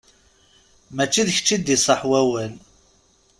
Mačči d kečč i d-iṣaḥ wawal.